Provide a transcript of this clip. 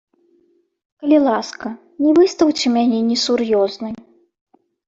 Калі ласка, не выстаўце мяне несур'ёзнай.